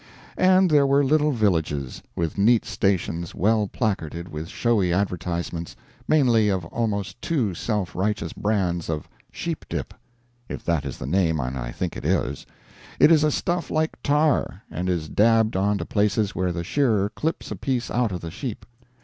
And there were little villages, with neat stations well placarded with showy advertisements mainly of almost too self righteous brands of "sheepdip." If that is the name and I think it is. It is a stuff like tar, and is dabbed on to places where the shearer clips a piece out of the sheep.